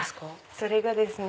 それがですね